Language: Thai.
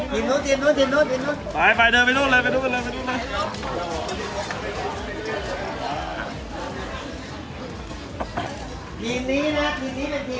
ทีนี้ทีนี้เป็นอัศวิทย์ลอสเตอรี่